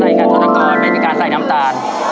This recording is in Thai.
ไม่มีการใส่ทุนกรไม่มีการใส่น้ำตาล